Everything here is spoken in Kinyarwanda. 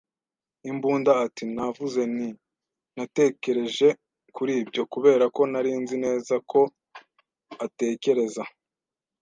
“Imbunda!” ati. Navuze nti: “Natekereje kuri ibyo.” Kubera ko nari nzi neza ko atekereza